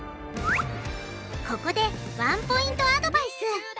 ここでワンポイントアドバイス！